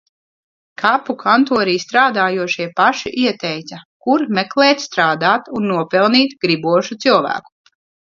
Kapu kantorī strādājošie paši ieteica, kur meklēt strādāt un nopelnīt gribošu cilvēku.